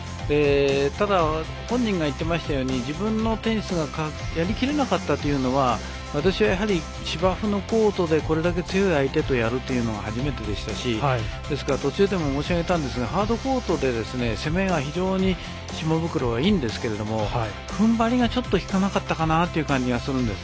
ただ、本人が言っていましたように自分にテニスがやりきれなかったというのは私は芝生のコートでこれだけ強い相手とやるというのは初めてでしたし、ですから途中でも申し上げたんですがハードコートで攻めが非常に島袋はいいんですけどふんばりが、ちょっときかなかったかなという感じがします。